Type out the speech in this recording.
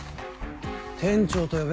「店長」と呼べ。